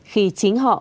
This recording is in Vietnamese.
khi chính họ